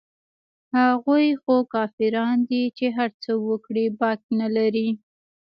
هغوى خو کافران دي چې هرڅه وکړي باک نه لري.